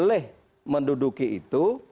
boleh menduduki itu